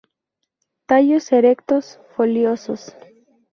Tallos erectos, foliosos.